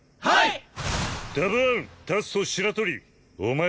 はい！